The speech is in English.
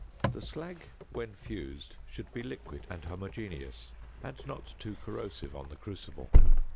The slag when fused should be liquid and homogeneous, and not too corrosive on the crucible.